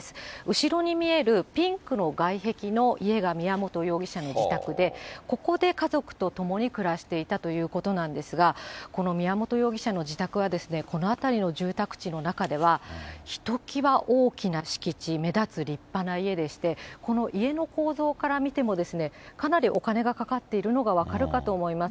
後ろに見えるピンクの外壁の家が宮本容疑者の自宅で、ここで家族と共に暮らしていたということなんですが、この宮本容疑者の自宅は、この辺りの住宅地の中では、ひときわ大きな敷地、目立つ立派な家でして、この家の構造から見ても、かなりお金がかかっているのが分かると思います。